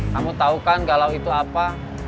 kamu tahu kan galau itu apa